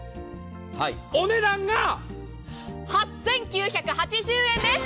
お値段が８９８０円です！